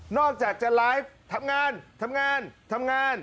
นอกจากจะไลฟ์ทำงาน